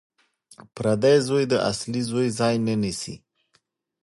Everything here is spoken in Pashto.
پردی زوی د اصلي زوی ځای نه نیسي